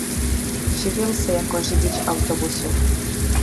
Živil se jako řidič autobusu.